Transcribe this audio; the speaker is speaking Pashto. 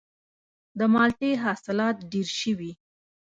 د مالټې حاصلات ډیر شوي؟